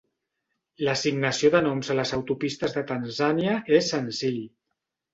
L'assignació de noms a les autopistes de Tanzània és senzill.